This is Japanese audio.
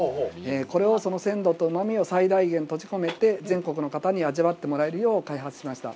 これを鮮度のみを最大限に閉じ込めて、全国の方に味わってもらえるよう開発しました。